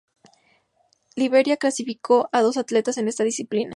Liberia clasificó a dos atletas en esta disciplina.